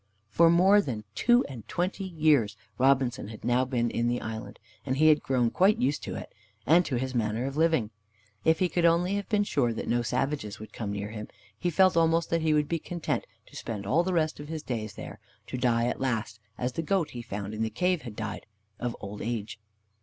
For more than two and twenty years Robinson had now been in the island, and he had grown quite used to it, and to his manner of living. If he could only have been sure that no savages would come near him, he felt almost that he would be content to spend all the rest of his days there, to die at last, as the goat he found in the cave had died, of old age.